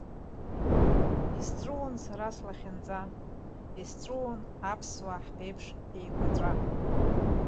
Исҵәыуон сара слахьынҵа, исҵәыуон аԥсуаа ҳԥеиԥш еиқәаҵәа.